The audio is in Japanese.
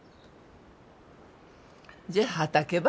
じゃあ畑ば。